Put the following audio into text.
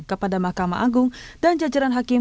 kepada mahkamah agung dan jajaran hakim